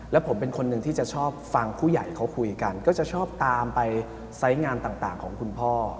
แล้วผมเป็นคนหนึ่งที่จะชอบฟังผู้ใหญ่เขาคุยกันก็จะชอบตามไปไซส์งานต่างของคุณพ่อ